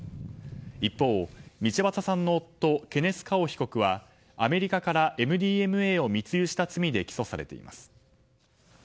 一方、道端さんの夫ケネス・カオ被告はアメリカからＭＤＭＡを密輸した罪で起訴されています。